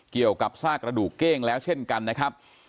เกี่ยวกับซากระดูกเก้งแล้วเช่นกันนะครับ